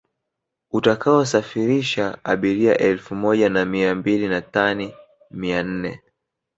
utakaosafirisha abiria elfu moja na mia mbili na tani mia nne